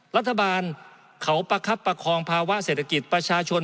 รัฐบาลเขาประคับประคองภาวะเศรษฐกิจประชาชน